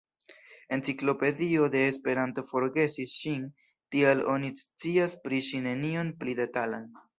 Enciklopedio de Esperanto forgesis ŝin, tial oni scias pri ŝi nenion pli detalan.